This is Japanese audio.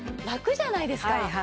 ラクじゃないですか。